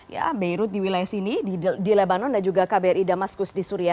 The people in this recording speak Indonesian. ya beirut di wilayah sini di lebanon dan juga kbri damaskus di suria